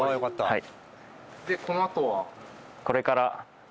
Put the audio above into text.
はい。